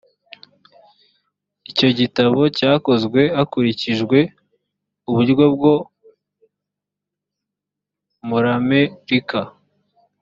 icyogitabo cyakozwe hakurikijwe uburyo bwo muramerika.